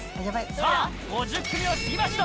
さあ、５０組を過ぎました。